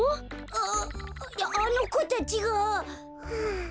あいやあのこたちが。